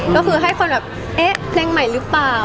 ก็คือให้คนแบบเอ๊ะเพลงใหม่หรือเปล่า